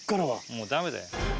もうダメだよ。